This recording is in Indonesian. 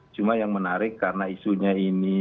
cuma yang menarik karena isunya ini